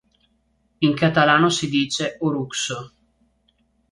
In catalano si dice "oruxo".